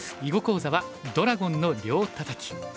囲碁講座は「ドラゴンの両タタキ」。